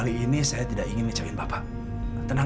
ini ilyn panggil panggil dari rumah